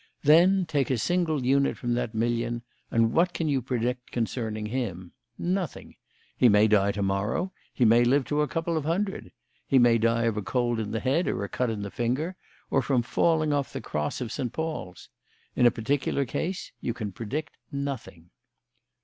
Then take a single unit from that million, and what can you predict concerning him? Nothing. He may die to morrow; he may live to a couple of hundred. He may die of a cold in the head or a cut finger, or from falling off the cross of St. Paul's. In a particular case you can predict nothing."